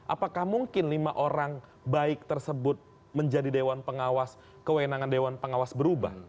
apakah mungkin lima orang baik tersebut menjadi dewan pengawas kewenangan dewan pengawas berubah